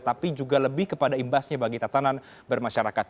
tapi juga lebih kepada imbasnya bagi tatanan bermasyarakat